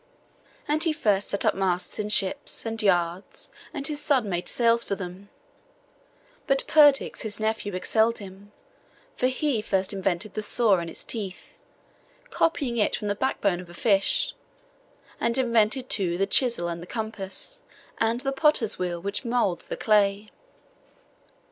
And he first set up masts in ships, and yards, and his son made sails for them: but Perdix his nephew excelled him; for he first invented the saw and its teeth, copying it from the back bone of a fish; and invented, too, the chisel, and the compasses, and the potter's wheel which moulds the clay.